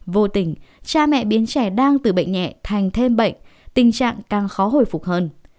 vô tình cha mẹ biến trẻ đang từ bệnh nhẹ thành thêm bệnh tình trạng càng khó hồi phục hơn